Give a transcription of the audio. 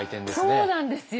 そうなんですよ！